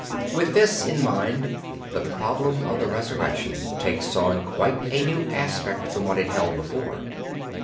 With this in mind the problem of the Resurrection takes on quite a new aspect from what it held before.